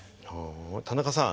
田中さん